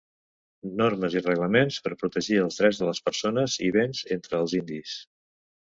Normes i reglaments per protegir els drets de les persones i béns entre els indis.